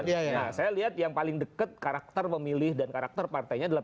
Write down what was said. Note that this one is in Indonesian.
nah saya lihat yang paling dekat karakter pemilih dan karakter partainya adalah